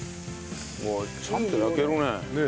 ちゃんと焼けるね。